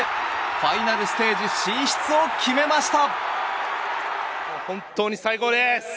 ファイナルステージ進出を決めました。